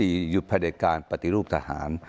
๔หยุดประเด็นการปฏิรูปทหาร